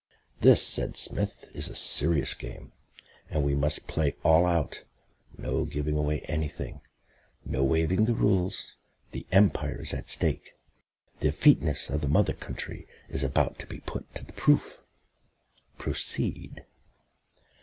"This," said Smith, "is a serious game, and we must play all out. No giving away anything, no waiving the rules. The Empire is at stake. The effeteness of the Mother Country is about to be put to the proof. Proceed."